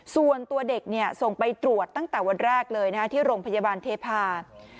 ส่วนตัวเด็กส่งไปตรวจตั้งแต่วันแรกเลยที่โรงพยาบาลเทพา